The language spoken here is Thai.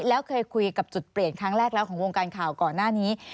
แล้วเคยคุยกับจุดเปลี่ยนครั้งแรกแล้วของวงการข่าวก่อนหน้านี้